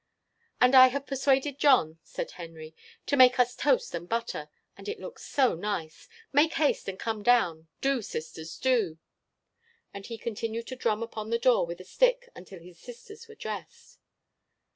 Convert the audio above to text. "And I have persuaded John," said Henry, "to make us toast and butter; and it looks so nice! Make haste and come down; do, sisters, do!" And he continued to drum upon the door with a stick until his sisters were dressed.